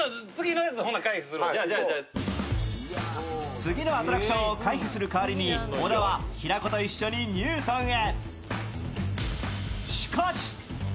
次のアトラクションを回避する代わりに小田は平子と一緒にニュートンへ。